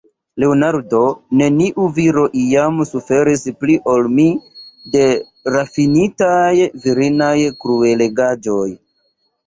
Leonardo, neniu viro iam suferis pli ol mi de rafinitaj virinaj kruelegaĵoj.